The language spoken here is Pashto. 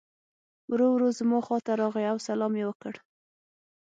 ورو ورو زما خواته راغی او سلام یې وکړ.